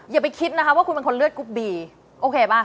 อย่าไปคิดนะคะว่าคุณเป็นคนเลือดกรุ๊ปบีโอเคป่ะ